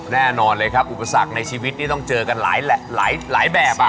แน่นอนเลยครับอุปสรรคในชีวิตนี่ต้องเจอกันหลายแบบ